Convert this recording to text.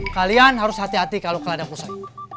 kalian harus hati hati kalau ke ladang kusoi